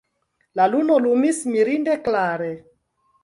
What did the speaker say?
La luno lumis mirinde klare.